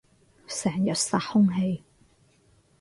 成日殺空氣